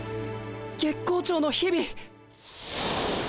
月光町の日々。